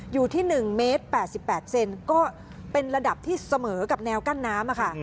อยู่ที่หนึ่งเมตรแปดสิบแปดเซนก็เป็นระดับที่เสมอกับแนวกั้นน้ำค่ะ